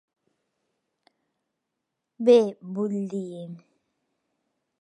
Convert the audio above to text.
Bé, vull dir...